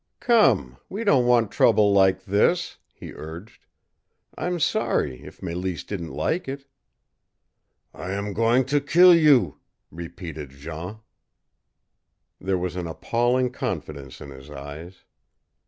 "Come, we don't want trouble like this," he urged. "I'm sorry if Mélisse didn't like it." "I am going to kill you!" repeated Jean. There was an appalling confidence in his eyes.